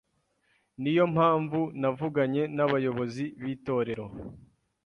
ni yo mpamvu navuganye n’abayobozi b’Itorero